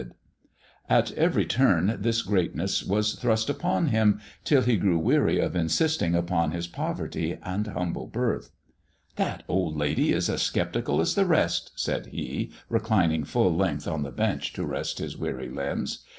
THE dwarf's chamber 11 At every turn this greatness was thrust upon him till he grew weary of insisting upon his poverty and humble birth. "That old lady is as sceptical as the rest," said he, reclining full length on the bench to rest his weary limbs.